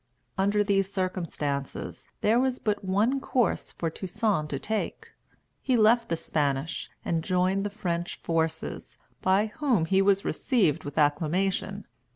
Under these circumstances, there was but one course for Toussaint to take. He left the Spanish and joined the French forces, by whom he was received with acclamation.